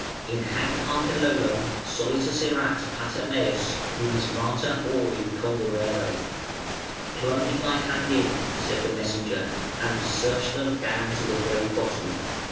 (In hanc arcellolam solitus erat pater meus numismata auri congerere.) "Plunge thy hand in", said the messenger, "and search them down to the very bottom".